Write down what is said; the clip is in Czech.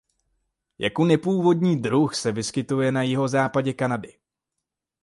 Jako nepůvodní druh se vyskytuje na jihozápadě Kanady.